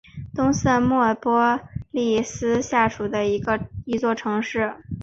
东瑟莫波利斯下属的一座城市。